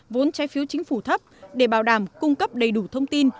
vốn trái phiếu chính phủ thấp để bảo đảm cung cấp đầy đủ thông tin